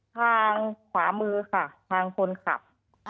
ทางขวามือค่ะทางคนขับ